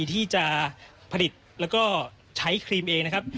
ที่จะผลิตแล้วก็ใช้ครีมเองนะครับ